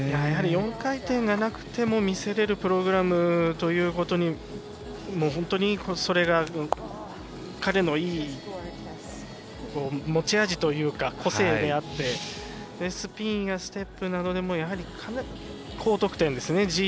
やはり４回転がなくても見せられるプログラムというそれが彼のいい持ち味というか個性であってスピンやステップなどでもやはり、高得点ですね。